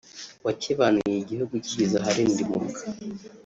wakebanuye igihugu kigeze aharindimuka